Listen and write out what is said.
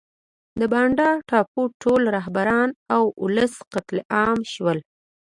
د بانډا ټاپو ټول رهبران او ولس قتل عام شول.